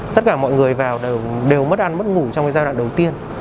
tất cả mọi người vào đều mất ăn mất ngủ trong giai đoạn đầu tiên